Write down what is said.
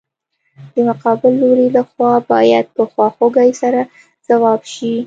د مقابل لوري له خوا باید په خواخوږۍ سره ځواب شي.